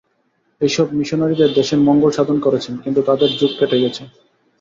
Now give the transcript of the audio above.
এ-সব মিশনারীদের দেশের মঙ্গল সাধন করেছেন, কিন্তু তাঁদের যুগ কেটে গেছে।